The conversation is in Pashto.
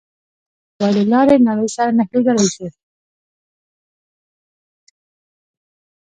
د موبایل له لارې نړۍ سره نښلېدای شو.